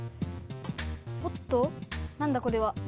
おっとなんだこれは。